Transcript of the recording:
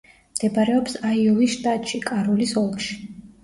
მდებარეობს აიოვის შტატში, კაროლის ოლქში.